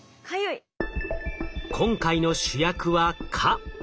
今回の主役は蚊。